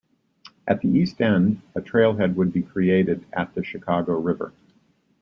At the east end, a trailhead would be created at the Chicago River.